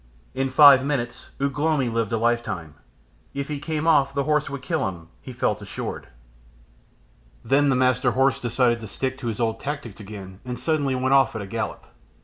In five minutes Ugh lomi lived a lifetime. If he came off the horse would kill him, he felt assured. Then the Master Horse decided to stick to his old tactics again, and suddenly went off at a gallop.